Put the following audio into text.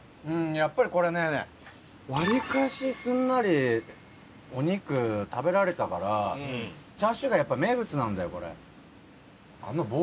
やっぱりこれね割かしすんなりお肉食べられたからチャーシューがやっぱ名物なんだよこれ。